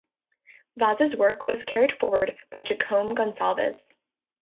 Vaz's work was carried forward by Jacome Gonsalves.